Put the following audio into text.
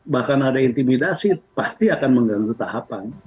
bahkan ada intimidasi pasti akan mengganggu tahapan